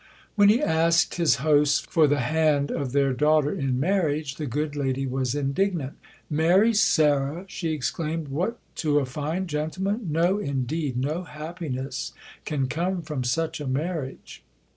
When he asked his hosts for the hand of their daughter in marriage, the good lady was indignant. "Marry Sarah!" she exclaimed. "What, to a fine gentleman? No, indeed; no happiness can come from such a marriage!"